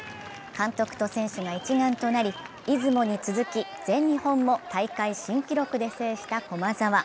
監督と選手が一丸となり出雲に続き、全日本も大会新記録で制した駒沢。